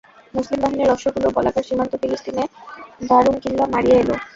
মুসলিম বাহিনীর অশ্বগুলো বালকার সীমান্ত, ফিলিস্তিনে দারূম কিল্লা মাড়িয়ে এল।